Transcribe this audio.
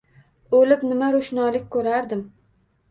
O`lib nima ro`shnolik ko`rardim